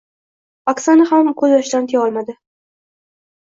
Oksana ham ko‘z yoshlarini tiya olmadi.